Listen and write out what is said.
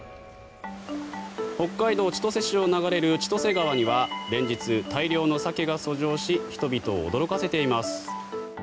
北海道千歳市を流れる千歳川には連日、大量のサケが遡上し人々を驚かせています。